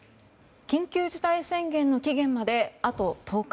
緊急事態宣言の期限まであと１０日。